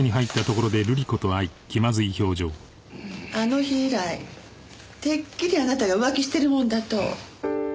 あの日以来てっきりあなたが浮気してるもんだと。